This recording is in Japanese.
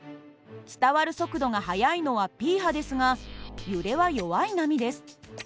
伝わる速度が速いのはＰ波ですが揺れは弱い波です。